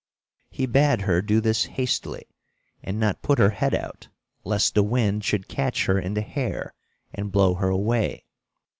He bade her do this hastily, and not put her head out, lest the wind should catch her in the hair and blow her away.